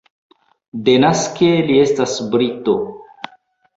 Denaske li estas brito.